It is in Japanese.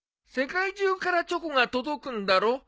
世界中からチョコが届くんだろ？